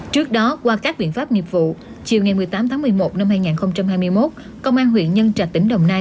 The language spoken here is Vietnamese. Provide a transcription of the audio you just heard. trước đó qua các biện pháp nghiệp vụ chiều ngày một mươi tám tháng một mươi một năm hai nghìn hai mươi một công an huyện nhân trạch tỉnh đồng nai